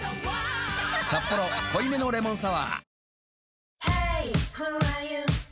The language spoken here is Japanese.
「サッポロ濃いめのレモンサワー」